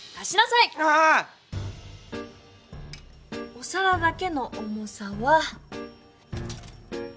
お皿だけの重さは。